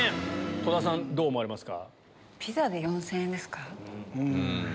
戸田さんどう思われますか？